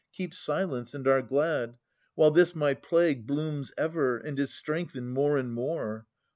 Keep silence and are glad, while this my plague Blooms ever, and is strengthened more and more.